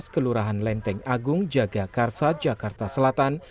kelurahan lenteng agung jagakarsa jakarta selatan